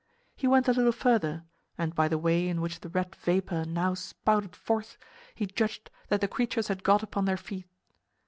He went a little further, and by the way in which the red vapor now spouted forth he judged that the creatures had got upon their feet.